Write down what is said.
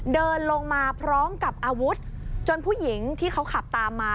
เดินลงมาพร้อมกับอาวุธจนผู้หญิงที่เขาขับตามมา